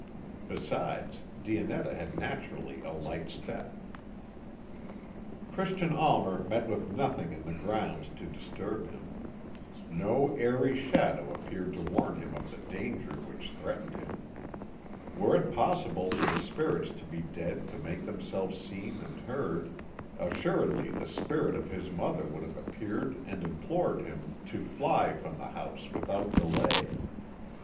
Besides, Dionetta had naturally a light step. Christian Almer met with nothing in the grounds to disturb him. No airy shadow appeared to warn him of the danger which threatened him. Were it possible for the spirits of the dead to make themselves seen and heard, assuredly the spirit of his mother would have appeared and implored him to fly from the house without delay.